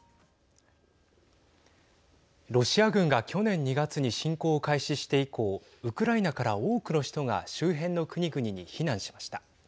ロシア軍が去年２月に侵攻を開始して以降ウクライナから多くの人が周辺の国々に避難しました。